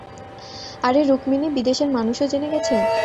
আরে রুকমিনি, বিদেশের মানুষও জেনে গেছে।